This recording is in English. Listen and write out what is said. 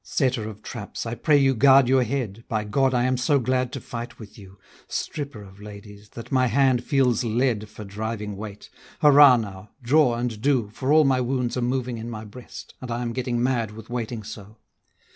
Setter of traps, I pray you guard your head, By God I am so glad to fight with you, Stripper of ladies, that my hand feels lead For driving weight; hurrah now! draw and do, For all my wounds are moving in my breast, And I am getting mad with waiting so.